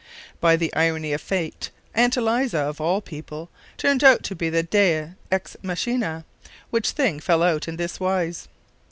By the irony of fate, Aunt Eliza, of all people, turned out to be the Dea ex machina: which thing fell out in this wise.